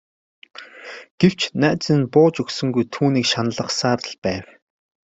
Гэвч найз нь бууж өгсөнгүй түүнийг шаналгасаар л байв.